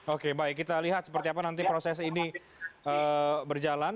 oke baik kita lihat seperti apa nanti proses ini berjalan